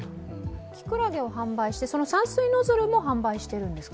きくらげを販売して、散水ノズルも販売しているんですか。